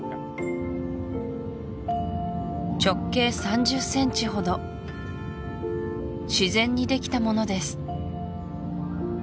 直径３０センチほど自然にできたものです